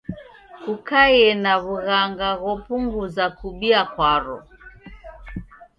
Kukaie na w'ughanga ghopunguza kubia kwaro.